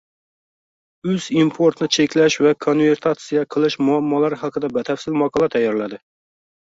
uz importni cheklash va konvertatsiya qilish muammolari haqida batafsil maqola tayyorladi